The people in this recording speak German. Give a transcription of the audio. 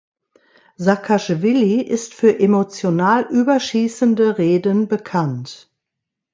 Saakaschwili ist für emotional überschießende Reden bekannt.